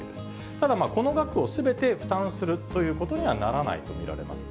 ただ、この額をすべて負担するということにはならないと見られます。